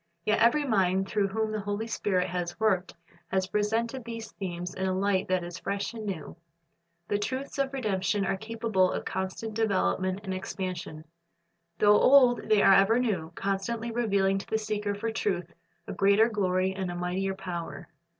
Yet every mind through whom the Holy Spirit has worked has presented these themes in a light that is fresh and new. The truths of redemption are capable of constant development and expansion. Though old, they are ever new, constantly revealing to the seeker for truth a greater glory and a mightier power.